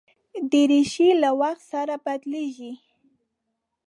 دریشي له وخت سره بدلېږي.